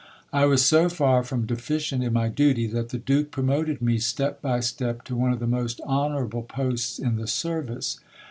I was so far from deficient in my duty, that the Duke promoted me, step by step, to one of the most honourable posts in the service.